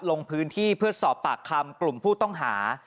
ลงพื้นที่เพื่อสอบปากคำกลุ่มผู้ต้องหา